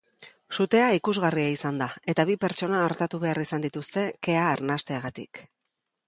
Sutea ikusgarria izan da eta bi pertsona artatu behar izan dituzte kea arnasteagatik.